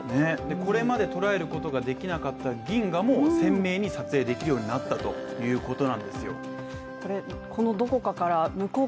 これまで捉えることができなかった銀河も鮮明に撮影できるようになったということ。